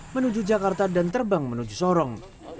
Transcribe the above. menuju jakarta dan terbang menuju sorong